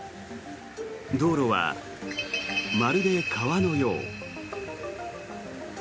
道路はまるで川のよう。